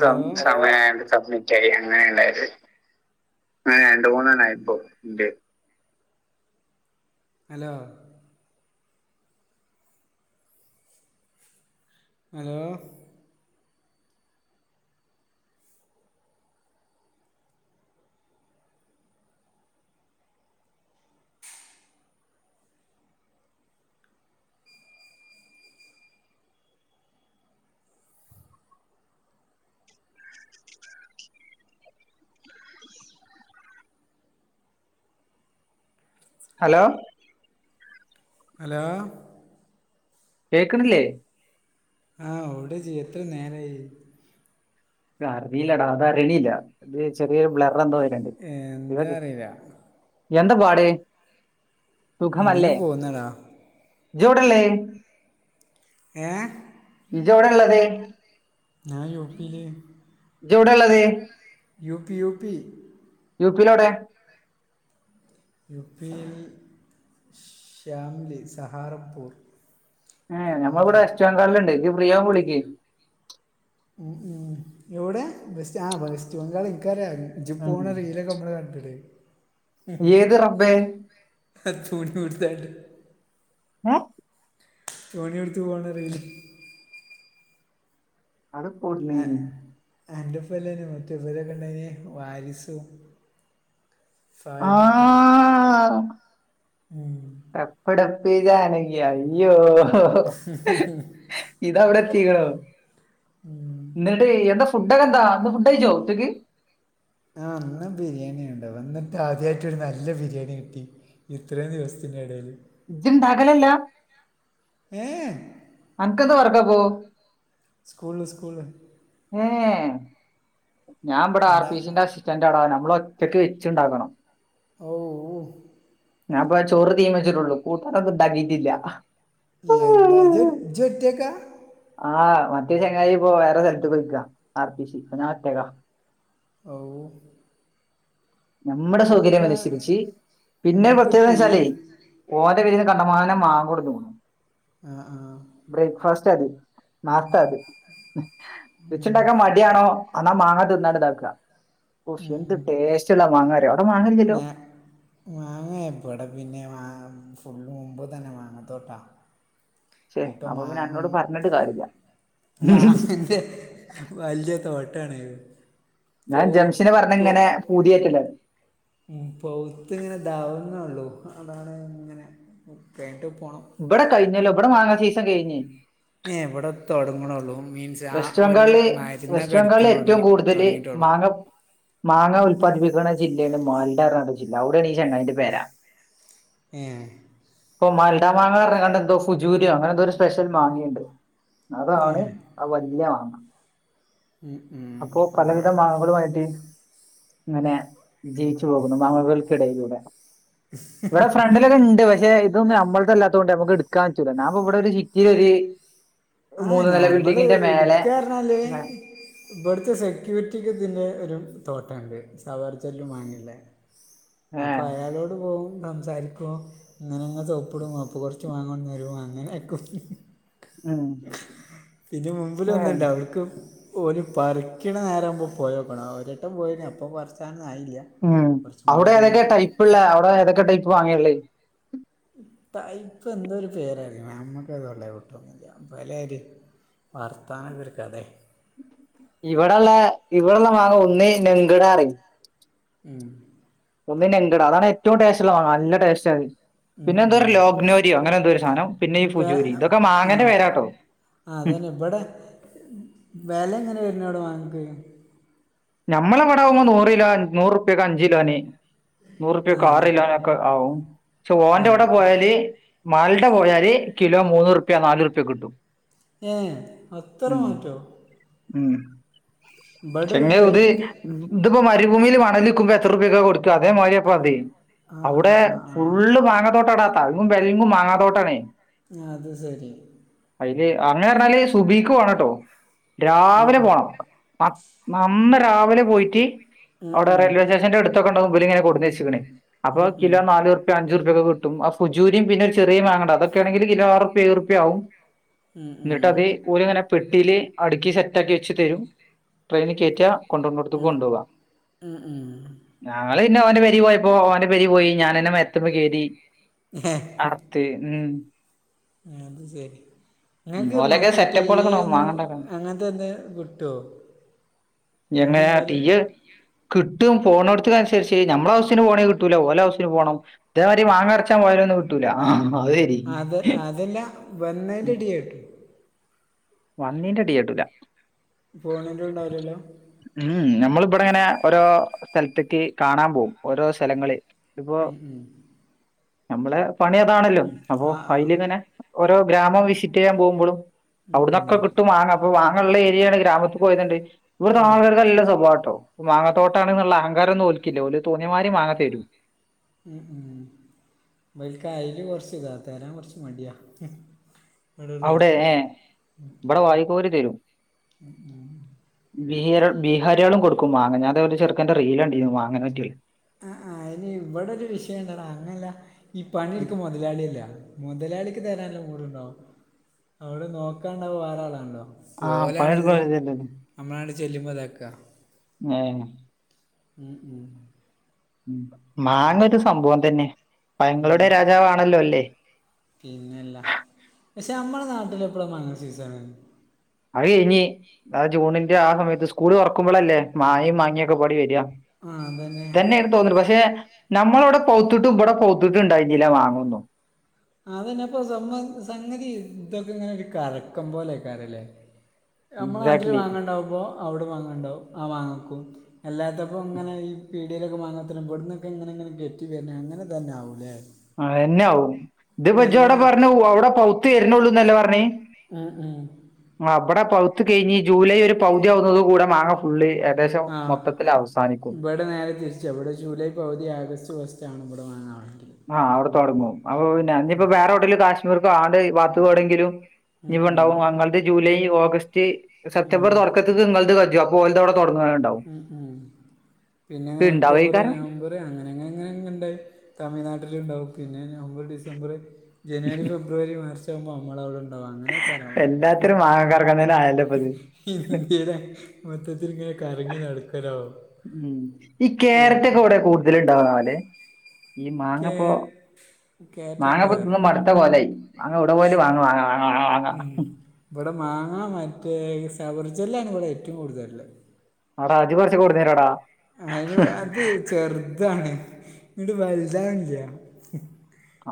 Hello submit ആയി അങ്ങനെണ്ടായത്. രണ്ട മൂന്നെണ്ണായിപ്പോ ഇണ്ട്. ഹലോ ഹലോ [inaudible] ഹലോ ഹലോ കേക്കണില്ലേ? ആഹ് ഓടെ ജ്ജ് എത്ര നേരായി. അറിയില്ലടാ അത് അറീണില്ല. അല് ചെറിയൊരു ബ്ലററ എന്തോ വരണ്ണ്ട്. എന്താ അറിയില്ല എന്ത പാട്. ഇങ്ങനെ സുഖമല്ലേ. പോകുന്നടാ ഇജ്ജവടള്ളെ? ഏ ഇജോവിടെ ഉള്ളത്? ഞാ യൂ പി ല്. ഇജജവടൊള്ളത്? U P, U P. U P യിലവിടെ? യു പി ൽ ശ്യമലി സഹാറപ്പൂർ. ഏ ഞമ്മള ഇവിടെ വെസ്റ്റ്‌ ബംഗാളിലുണ്ട്. ജ്ജ് ഫ്രീയാമ്പോ വിളിക്ക്. ഉം ഉം എവിടെ ബസ്റ്റ് ആ ബസ്റ്റ് ബംഗാള ഇൻകറിയ. ഇജ്ജ് ഉം. [unintelligible] റീലോക്കെ നമ്മള് കണ്ടട്. ഏത് റബ്ബേ [unintelligible] ഏ [unintelligible] എടുത്ത് പോകണ റീല്. അത [unintelligible] ആൻറഫെലനും [unintelligible] ഉണ്ടന് വാരിസും. ആ സായിനൊക്കെ ഉം [unintelligible] യയ്യോ ഇതവടെത്തിക്കണോ ന്ന്ട്ട് യെന്താ ഫുഡൊക്കെന്താ ഇന്ന് ഫുഡായിച്ചോ ഉചക്ക് ആ ഇന്ന് ബിരിയാണിണ്ടാവ വന്നിട്ടാദ്യായിട്ട് ഒരു നല്ല ബിരിയാണി കിട്ടി. ഇത്രയും ദിവസത്തിൻ്റെടേല്. ജ്ണ്ടാകലില്ലാ? ഏഹ് അതുക്ക വെറുതെ [unintelligible] സ്കൂള്ല് സ്കൂള്. ഏ ഞാ വ്ടെ ആർ എന്താ പി സിന്റെ അസിസ്റ്റന്റാടാ നമ്മൾ ഒറ്റക്ക് വെച്ച്ണ്ടാക്കണം. ഓ ഞാൻ പോയ ചോറ് തീമെച്ചിട്ടുള്ളൂ കൂട്ടാനൊന്നും ണ്ടാക്കീട്ടില്ല. എന്താ ജെ ജൊറ്റക്ക. ആഹ് മറ്റേ ചെങ്ങായിപ്പോ വേറെ സ്ഥലത്ത് പൊയിക്ക ആർ പി സി ഇപ ഞാൻ ഒറ്റക്ക. ഔ ഞമ്മടെ നിങ്ങൾക്ക് സൗകര്യമനുസരിച്ച് പിന്നെ നിങ്ങൾക്ക് ടീ പ്രത്യേകതേനെച്ചാലേ? ഓന്റെ പെരേന്ന് കണ്ടമാനം മാങ്ങ കൊടുക്ക്ന്ന് ആഹ് ആഹ് ബ്രേക്ക്ഫാസ്റ്റത് നാസ്ത്താത് ഹ്ഹ് വെച്ച്ണ്ടാക്കാ മടിയാണൊ. അന്നാമാങ്ങാ തിന്നാ [unintelligible] ഹൊ എന്ത് ടേസ്റ്റ്ള്ള മാങ്ങാ റിയോ? [unintelligible] മാങ്ങേപ്പടെപിന്നെ മാങ്ങ ഫുള്ള് മുമ്പ്തന്നെ മാങ്ങത്തോട്ടാ ശേ ഇപ്പൊ അപ്പൊ പിന്നെ മാങ എന്നോട് പറഞ്ഞിട്ട് കാര്യമില്ല മാങ്ങഹ് ന്റെ. വല്യ തോട്ടാണേ. ഞാൻ ജംഷിനെ പറഞ്ഞ്ങ്ങനെ പൂതി കേറ്റലാണ്. പൗത്ത്ങ്ങനെ ദാവന്നേ ഒള്ളൂ അതാണേ ഇങ്ങനെ കയ്ഞ്ഞിട്ട് പോണം. ഇബടെ കയ്ഞ്ഞല്ലോ ബടെ മാങ്ങാ സീസൺ കഴിഞ്ഞ്. ഏ ഇവ്ടെ തൊടങ്ങണൊള്ളൂ മീൻസ്. ആ വെസ്റ്റ് ഓല് ബംഗാള്ല് മരുന്നൊക്കെ വെസ്റ്റ് അടിക്കണ ബംഗാളില് ഏറ്റവും തുടങ്ങി കൂടുതല് തുടങ്ങിയിട്ടുള്ളൂ മാങ്ങ മാങ്ങ ഉല്പാദിപ്പിക്ക്ണ ജില്ലയാണ് മാൽഡാറയണ ജില്ല അവിടെയാണ് ഈ ചെങ്ങായിന്റെ പെര. ഏഹ് ഇപ്പോ മാൽഡാ മാങ്ങ പറഞ്ഞ്കാണ്ട് എന്തോ ഫുജീരിയോ അങ്ങനെന്തോര് സ്പെഷ്യൽ മാങ്ങേണ്ട്. ഏ അതാണ് ആ വല്യ മാങ്ങ. ഉം, ഉം, അപ്പോ പലവിധ ബ- മാങ്ങകളുമായിട്ട്. ങ്ങനെ ജീവിച്ചു പോകുന്നു മാങ്ങകൾക്കിടയിലൂടെ. ഇവിടെ ഫ്രണ്ടിലൊക്കെണ്ട് പക്ഷെ. ഇതൊന്നും ഞമ്മൾതല്ലാതോണ്ടെ ഞമ്ക്ക് എടുക്കാൻ പറ്റുല ഞാപ്പ ഇവിടൊര് [unintelligible] ഒരു. ആ മൂന്ന് നില ഞമ്മള് ബിൽഡിങ്ങിന്റെ മേലെ എടുക്കാറഞ്ഞാല്. ഏ, ഇബ്ടുത്തെ സെക്യൂരിറ്റിക്ക് ഇതിന്റെ ഒരു തോട്ടംണ്ട് സബർജെല്ലി മാങ്ങേടെ? ഏ, അപ്പയാളോട് പോകും സംസാരിക്കും. ക്കു ങ്ങനെങ്ങ് സോപ്പിടും അപ്പോ കൊറച്ച് മാങ്ങ കൊണ്ടന്നെരും അങ്ങനെയൊക്കെ. ഉം, പിന്നെ മുമ്പില് ഏ, ഒന്ന്ണ്ട് അവർക്കും. ഓര് പറിക്ക്ണ നേരാമ്പോ പോയോക്കണം ഒരട്ടം പോയിനി അപ്പ പറിച്ചാനൊന്നായില്ല. ഉം അവിടെ ഏതൊക്കെയ ടൈപ്പ്ള്ളേ അവിടെ ഏതൊക്കെ ടൈപ്പ് മാങ്ങേള്ളത്? ടൈപ്പ് എന്തോര്പേരാള്ളെ [unintelligible] വർത്താനൊരുകഥെ ഇവിടെള്ള ഇവിടെള്ള മാങ്ങ ഒന്ന് നെങ്കിടാറയും. ഉം ഒന്നു ലെങ്കിടാ അതാണ് ഏറ്റവും ടേസ്റ്റുള്ളമാങ്ങ നല്ല ടേസ്റ്റായിരുന്നു ഉം പിന്നെ എന്തോരു ഉം ലോഗ്നോരിയോ അങ്ങനെന്തോരു സാധധം പിന്നെ ഈ ഫുജൂരി ഇതൊക്കെ മാങ്ങേന്റെ പേരാട്ടോ. ആ ഉം. അതുതന്നെ ഇവിടെ വെല എങ്ങനാ വരുന്നേടൊ മാങ്ങക്ക് ഞമ്മളെവിടാവുമ്പോ നൂറ് കിലോ നൂറുപ്യാക്ക് അഞ്ചു കിലോന് നൂറുപ്യാക്ക് ആഹ് ആറുകിലോനൊക്കെ ആവും ക്ഷേ ആഹ് ഓന്റെവിടെ പോയാല് മാൾടെ പോയാല് കിലോ മൂന്നുറുപ്യാ നാലുറുപ്യാക്ക് കിട്ടും ഏഹ് അത്ര ഉം മാറ്റോ ഉം ഇബ്ടൊരു ചെങ്ങ ഇത് പെട്ടി ഇതിപ്പോ മരുഭൂമില് മണലുവിക്കുമ്പോ എത്ര റുപ്യാക്കാ കൊടു ക്കും അതേമാരിയപ്പതേ ആഹ് അവിടെ ആഹ് ആഹ് ഫുള്ളുമാങ്ങാ തോട്ടാടാ തലങ്ങും വെലങ്ങും മാങ്ങാ തോട്ടാണേ ഞാ അതുസെരി അയില് അങ്ങനെറഞ്ഞാല് സുബഹിക്ക് പോണട്ടോ രാവിലെ പോണം ഇന്നുരാവിലെ പോയിട്ട് അവടെ റെയിൽവേസ്റ്റേഷൻന്റെ അടുത്തൊക്കെണ്ടാവും ഇവെല് ഇങ്ങനെ കൊടുന്നുവെച്ചിക്കണ് അപ്പോ കിലോ നാലുറുപ്യാ അഞ്ചുറുപ്യാക്കൊക്കെ കിട്ടും ആ ഫുജൂരീം പിന്നെ ഒരു ചെറ്യൊരു മാങ്ങാണ്ടത് അതൊക്കെണാങ്കില് കിലോ ആറുറുപ്യാ ഏഴ്റു പ്യാവും ന്നെട്ട്അത് ഓല് ഇങ്ങനെ പെട്ടില് അടുക്കി സെറ്റാക്കി വെച്ചുതരും ട്രെയിനില് കേറ്റാ കൊണ്ടന്നടത്തേക്ക് കൊണ്ടോവാ ഞങ്ങള് പിന്നെ ഓന്റെ പെരിപോയപ്പോ ഓന്റെ പെരിപോയി ഞാനന്നെ മരത്തുമ്മെ കേറ്റി അർത്തെ ഉം അത് സെരി ഉം. ഇങ്ങക്ക് ഓലൊക്കെ മറ്റേ ടി എ സെറ്റപ്പുകളൊക്കെ ഒന്നും വാങ്ങണ്ടാക്കാൻ അങ്ങനത്തെ എന്തേ കിട്ടു ട്ടോ ഞങ്ങയാ ടി എ കിട്ടും പോണോടത്തുക്കനുസരിച്ച് ഞമ്മളെ ഹൗസിന് പോണേ കിട്ടൂല ഓല ഹൗസിന് പോണം ഇതേമാതിരി മാങ്ങ പറിച്ചാൻ പോയാലൊന്നും കിട്ടൂല ആഹാ അത് ശെരി ഇതെല്ലാം വന്നേൻറ്റേ ടി എ കിട്ടും വന്നേന്റേ ടിയേട്ടൂല ഫോണിലും ഉണ്ടാവില്ലല്ലോ ഉം ഞമ്മളിബ്ടിങ്ങനെ ഓരോ സ്ഥലത്തിക്ക് കാണാൻ പോവും ഓരോ സ്ഥലങ്ങള് ഉം ഉം ഞമ്മളെ പണി അതാണല്ലോ അപ്പൊ ആ ആ അയിലിങ്ങനെ ഓരോ ഗ്രാമം വിസിറ്റെയ്യാൻ പോവുമ്പളും ഉം, അവിടന്നൊക്കെ ഉം. കിട്ടും മാങ്ങ അപ്പൊ മാങ്ങൊള്ള ഏരിയാണ് ഗ്രാമത്തുപോയതൊണ്ട് ഇവിടത്തെ ആ ആൾക്കാർക്ക് നല്ല സ്വഭാവട്ടോ മാങ്ങത്തോട്ടാണെന്നുള്ള അഹങ്കാരൊന്നും ഓൽക്കില്ല ഓല് തോന്നിയമാരി മാങ്ങതരും ഉം ഇവൽക്കയില് കൊറച്ചിതാ തരാൻ കൊറച്ച് മട്യാ ഹും ഇവിടെയൊള്ളോർക്ക് ഉം വ്ടെ വാരിക്കോരിതരും [inaudible] ബീറർ ബീഹാരികളും കൊടുക്കും മാങ്ങ ഞാൻ ദേ ഒരു ചെറുക്കന്റെ റീലുകണ്ടീരുന്നു മാങ്ങേനെപറ്റിയൊള്ളേ ആ ആ അയ്‌ന് ഇവടെ ഒരു വിഷയൊണ്ടെടാ അങ്ങനെയല്ലാ ഈ പണിയെടുക്ക മൊതലാളിയല്ല മൊതലാളിക്ക് തരാനുള്ള മൂടുണ്ടോ അവിടെ നോക്കാനോണ്ടാവ വേറാളാണല്ലോ ആ ഓലാണിത് പണിയെടുക്കാൻ നമ്മളാണ്ട് ചെല്ലുമ്പോ ഇതാക്കാ ങ്ങേ ഉം ഉം ഉം മാങ്ങയൊരു സംഭവംതന്നെ പഴങ്ങളുടെ രാജാവാണല്ലോ അല്ലേ പിന്നെയല്ലാ പക്ഷേ നമ്മടെ നാട്ടിലെപ്പഴാ മാങ്ങസീസണ് അതേയിനി ആ ജൂണിന്റെ ആ സമയത്ത് സ്കൂൾ തൊറക്കുമ്പോളല്ലേ മാഴേം മാങ്ങ്യേക്കെകൂടി വരാ ആ അതന്നെ ത്തന്നെആണ് തോന്ന്ണ്ട് പക്ഷേ നമ്മളവടെ പൗത്തിട്ടും ഇമ്പടെ പൗത്തിട്ട് ഇണ്ടായിരുന്നില്ല മാങ്ങയൊന്നും അതന്നെപ്പൊ സംഭ സംഗതി ഇതൊക്കെ ഇങ്ങനെ ഒരു കറക്കം പോലെക്കാറല്ലേ നമ്മടെ നാട്ടില് എക്സാക്ട്ലി മാങ്ങാണ്ടാവുമ്പോ അവടെ മാങ്ങണ്ടാവും ആ മാങ്ങക്കും അല്ലാത്തപ്പം ഇങ്ങനെ ഈ പിഠിയലൊക്കെ മാങ്ങത്തന് വെടുന്നൊക്കെങ്ങനെങ്ങനെ കേറ്റി വര്ന് അങ്ങനെ തന്നെ ആവുല്ലേ അതന്നെയ ആവും ഇത് പച്ച അവിടെ പറഞ്ഞു അവിടെ പൗത്ത് വരുന്നള്ളൂന്നല്ലേ പറഞ്ഞേ ഉം ഉം അവിടെ പകുത്ത് കഴിഞ്ഞ് ജൂലൈ ഒരു പൗതി ആവുന്നുന്നത് കൂടെ മാങ്ങ ഫുള്ള് ഏകദേശം മൊത്തത്തിൽ അവസാനിക്കും ടെ നേരെ തിരിച്ച് അവിടെ ജൂലൈ പകുതി ആഗസ്റ്റ് ഫസ്റ്റ് ആണ് ഇവിടെ മാങ്ങ ആവാനെങ്കി ആഹ് ഔടെ തുടങ്ങും അപ്പൊ പിന്നെ ഇനിയിപ്പ വേറെ എവിടെേങ്കും കാശ്മീർക്കും ആണ്ട് വാത് ഐടെങ്കിലും ഉം ഇവ ഉം ണ്ടാവും ഞങ്ങളത് ജൂലൈ ഓഗസ്റ്റ് സെപ്റ്റംബർ ഉം തുറക്കത്തിക്ക് നിങ്ങളത് [unintelligible] പോലത അവിടെ തുടങ്ങ ഉണ്ടാവും ഉം ഉം ഇ ഇണ്ടാവ ഈക്കാരം അങ്ങനെങ്ങെ അങ്ങനെ ണ്ടായി തമിഴ്നാട്ടിലുണ്ടാകും പിന്നെ നവംബർ ഡിസംബർ ജനുവരി ഫെബ്ര- ഒരു വർഷം ഞമ്മലാവിടെ എല്ലാത്തി മാങ്ങ കറക്കന്നേും ആയല്ല പത് ഇന്ത്യെ മൊത്തത്തിൽ ഇങ്ങനെ കറങ്ങി നടക്കാനാവോ ഉം ഈ ക്യാരറ്റ് ഒക്കെ എവിടെ കൂടുതല ണ്ടാവ ലെ ഈ കേ മാങ്ങപ്പോ കേറ്റം മാങ്ങപ്പോ കയറി തിന്നും മടുത്ത പോലൊയി മാങ്ങ എവടെ പോയാലും മാങ്ങാ മാങ്ങാ ഇവിടെ മാങ്ങ മറ്റേ സവർജെല്ലാണ് ഇവിടെ ഏറ്റവും കൂടുതലുള്ള അടാ അതി കുറച്ച് കൊണ്ട് തരുവോട അതിന് അത് ചെറുതാണ് ഇട് വലതാനില്ല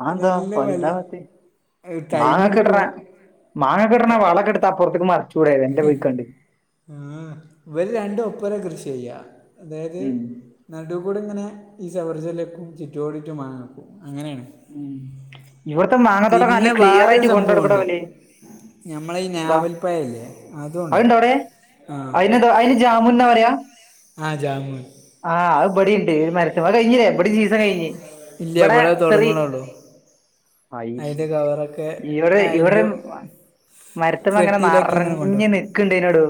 അതെന്താ നല്ല വൽ വലുതാവാത്തെ ടൈം എടുക്കോ മാങ്ങ കിടനാ വളക്കെടുത്ത അപ്പുറത്തേ മറച്ച കൂടിയ എന്റെ വീട്ട്ക്കണ്ട് ഉ ഇവര് രണ്ട് ഉപ്പര കൃഷി ചെയ്യാ അതായത് ഉം നടു കൂടി ഇങ്ങനെ ഈ സവർജലക്കും ചുറ്റോടിറ്റും മാങ്ങ അങ്ങനെണ് ഉം ഇവിടത്തെ മാങ്ങാ തോട്ടൊക്കെ നല്ല ക്ലിയർ ആയിട്ട് കൊണ്ട കൊടുക്കണം അവര് ഞമ്മള ഈ ഞാവൽപ്പഴല്ലേ അതും അത്ണ്ട് ഉണ്ടാവും അവിടെ ആ അയിന് അയിന് ജാമുന്ന പറയാ ആ ജാമുൻ ആഹ് അത് ബടി ണ്ട് മരത്ത് മ്മേ കഴിഞ്ഞില്ലേ ബടി സീസൺ കഴിഞ് ഇടെ തുടങ്ങുന്നൊള്ളു അയിന്റെ കവറൊക്കെ അയിന്റെ മരത്മ്മങ്ങനെ നിറഞ്ഞഞ് നിക്ക് ണ്ടായിനി ടോ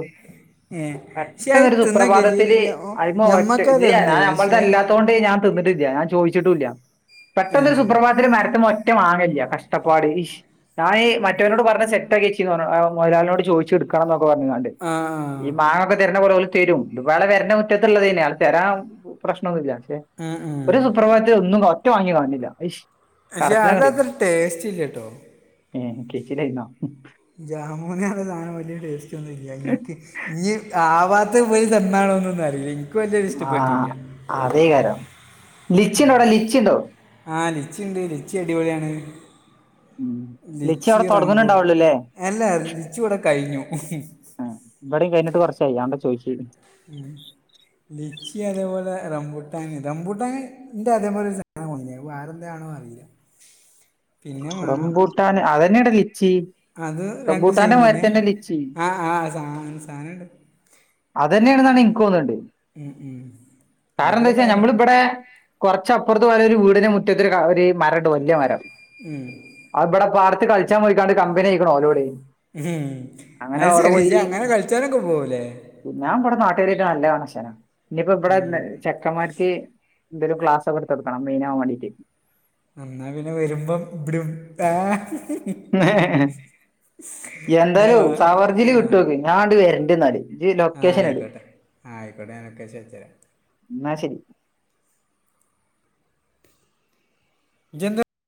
ഏ പക്ഷെ അത് പെട്ടെന്നരു തിന്ന ചേച്ചി സുപ്രഭാതത്തില് അതിമ ഒറ്റ ഞമ്മക്കത് ഇല്ല തന്ന് ഞാൻ അപ്പോളത്തെ പക്ഷേ അല്ലാത്തൊണ്ട് ണ്ട് ഞാൻ തിന്നിട്ടില്ല ഞാൻ ചോദിച്ചിട്ടുല്ല ഏ പെട്ടെന്നൊരു സുപ്രഭാതന് മരത്ത് മ്മേ ഒറ്റ മാങ്ങാ ല്ല കഷ്ടപ്പാട് ഞാൻഈ മറ്റവരോട് പറഞ്ഞ സെറ്റൊക്കെച്ചീന്ന് പറ മൊതലാളിനോട് ചോദിച്ച എടുക്കണം എന്നൊക്കെ പറഞ്ഞാണ്ട് ആ ഈ മാങ്ങൊക്കെ തരുന്ന പോലെ പോലെ തരും ഇ വളെ വരേ മുറ്റത്തുള്ളത് തന്നെയ ആൾ തരാൻ പ്രശ്നമൊന്നുമ ഇല്ല ആ ആ ഒരു ആ സുപ്രഭാത്തി ഒന്നും ഒറ്റ മാങ്ങി കാണില്ല പക്ഷെ കരച്ചിലാം കടി അതത്ര ടേസ്റ്റ് ഇല്ല കേട്ടോ ഏ കിച്ചലൈന്നോ ജാമുന് പറഞ്ഞ സധാനം വലിയ ടേസ്റ്റ് ഒന്നുംല്ല എനിക്ക് ഇനി ആവാ അ പോയി തന്നണോന്ന അറിയി ആഹഹ് അതേ കാരം ലിച്ചി ണ്ടോടാ ലിച്ചി ണ്ടോ? ആ ലച്ചി ണ്ട് ലിച്ചി അടിപൊളിയാണ് ഉം. ലിച്ചി അവിടെ റമ്പു തുടങ്ങുന്നുണ്ടാവുള്ളൂ അല്ലേ അല്ലാ ലിച്ചി വടെ കഴിഞ്ഞു ഇവിടെയും കഴിഞ്ഞിട്ട് കുറച്ചായി അതാ ചോയ്ച്ച ലിച്ചി അതേപോലെ റംബുട്ടാന് റംബുട്ടാനി എന്റെ അതേപോലെ സെ വേറെന്താണോ അറിയില്ല പിന്നെ മാ- റംബൂട്ടാൻ അതന്നെ ട ലിച്ചി അത് രണ്ടു സെയിം റംബൂട്ടാന്റെ ന്നെ മരത്തന്നെ ലിച്ചി ആ ആ സാ സാനുണ്ട് അതനെണെന്നാണ് എനിക്ക് തോന്നണത് ഉണ്ട് കാരണം ന്താ വെച്ചാ അതേതായാലും നമ്മളിവിടെ കുറച്ചപ്പുറത്ത് പോയ ഒരു വീടിനന് മുറ്റത്ത് ഒരു മരണ്ട് വലിയ മരം ഉം ഇവിടെ പാറത്ത് കളിച്ചാൻ പോയിക്കാണ്ട് കമ്പനിയിക്കണ ഓലൂടെ അങ്ങനെ അവിടെ പോയി ചനക്ക് പോവല്ലേ ഞാൻ ഇബടെ നാട്ടേരെറ്റ് നല്ലകണശനാ ഇഞ്ഞ്പ്പോ ഇബടെ ഉം. ചേ ക്കമാര്ക്ക് ഇന്റോരു ക്ലാസ്ക്കെ എട്ത്തെട്ക്കണം മൈനവാൻ വണ്ടീട്ട് ന്നാ നിങ്ങൾ പിന്നെ വര്മ്പോ ഇവിട് [unintelligible] മേ ഇത് എന്താലും വാ- സവർജില്ല് കിട്ടൂ പിന്നാണ്ട് വരണ്ട്ന്നാല് ആഹ ആയ്ക്കോട്ടെ ആഹ ആയ്ക്കോട്ടെ ഓക്കേ ശെരി ശെരി ന്നാ ശെരി ഇജെന്ത